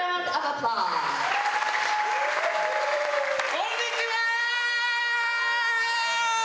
こんにちは！